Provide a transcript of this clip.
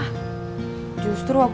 dia bilang kerjanya apa